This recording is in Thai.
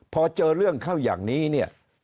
พอเจอเรื่องเข้าอย่างนี้